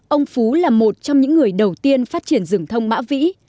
ông phú là một trong những người đầu tiên phát triển rừng thông mã vĩ